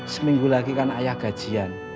seminggu lagi kan ayah gajian